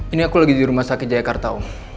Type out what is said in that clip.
ini aku lagi di rumah sakit jaya karta om